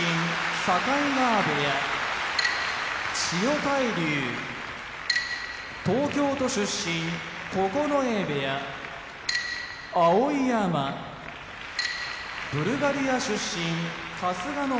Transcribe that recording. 境川部屋千代大龍東京都出身九重部屋碧山ブルガリア出身春日野部屋